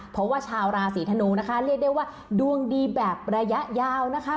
เพราะว่าชาวราศีธนูนะคะเรียกได้ว่าดวงดีแบบระยะยาวนะคะ